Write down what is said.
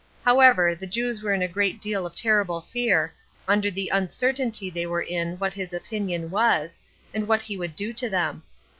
However, the Jews were in a great deal of terrible fear, under the uncertainty they were in what his opinion was, and what he would do to them.